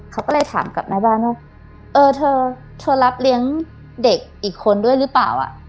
เขาก็เลยถามกับแม่บ้านว่าเออเธอเธอรับเลี้ยงเด็กอีกคนด้วยหรือเปล่า